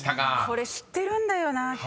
これ知ってるんだよな。